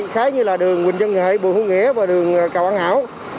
khá như là đường quỳnh dân nghệ bùi hương nghĩa và đường cà quang hảo